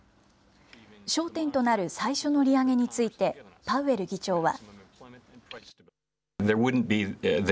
焦点となる最初の利上げについて、パウエル議長は。